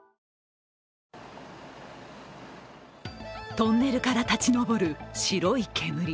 トンネルから立ち上る白い煙。